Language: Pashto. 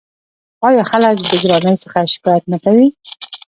آیا خلک د ګرانۍ څخه شکایت نه کوي؟